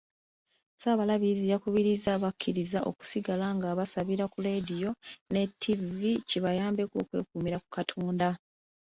Ssaabalabirizi yakubirizza abakkiriza okusigala nga basabira ku leediyo ne ttivvi kibayambeko okwekuumira ku Katonda.